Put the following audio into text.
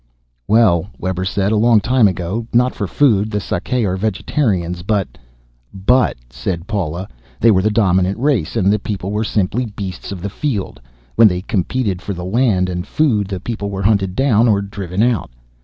"Well," Webber said, "a long time ago. Not for food, the Sakae are vegetarians, but " "But," said Paula, "they were the dominant race, and the people were simply beasts of the field. When they competed for land and food the people were hunted down or driven out."